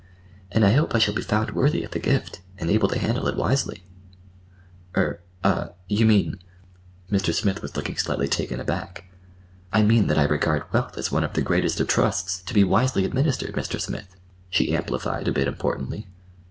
"And I hope I shall be found worthy of the gift, and able to handle it wisely." "Er ah—you mean—" Mr. Smith was looking slightly taken aback. "I mean that I regard wealth as one of the greatest of trusts, to be wisely administered, Mr. Smith," she amplified a bit importantly.